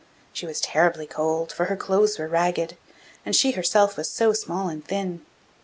She was terribly cold, for her clothes were ragged, and she herself was so small and thin.